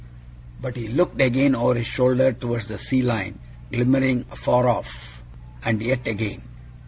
But he looked again over his shoulder towards the sea line glimmering afar off, and yet again.